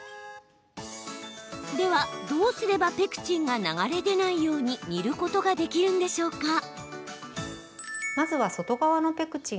では、どうすればペクチンが流れ出ないように煮ることができるんでしょうか？